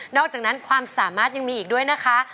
อกจากนั้นความสามารถยังมีอีกด้วยนะคะ